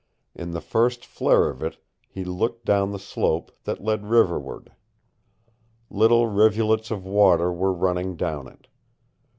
In the first flare of it he looked down the slope that led riverward. Little rivulets of water were running down it.